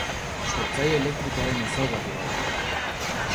Sortzaile elektrikoaren ezaugarri bat da.